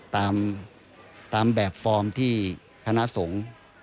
ตามแบบฟอร์มที่คณะสงฆ์